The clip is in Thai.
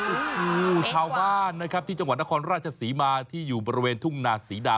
โอ้โหชาวบ้านนะครับที่จังหวัดนครราชศรีมาที่อยู่บริเวณทุ่งนาศรีดา